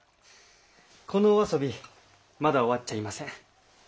このお遊びまだ終わっちゃいません。